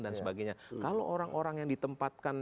dan sebagainya kalau orang orang yang ditempatkan